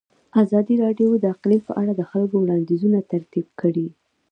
ازادي راډیو د اقلیم په اړه د خلکو وړاندیزونه ترتیب کړي.